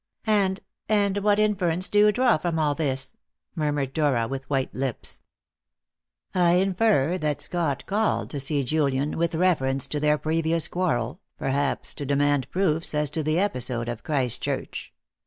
"And and what inference do you draw from all this?" murmured Dora, with white lips. "I infer that Scott called to see Julian with reference to their previous quarrel, perhaps to demand proofs as to the episode of Christchurch.